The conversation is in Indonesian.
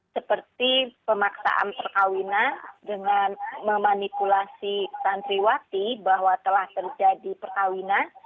seperti pemaksaan perkawinan dengan memanipulasi santriwati bahwa telah terjadi perkawinan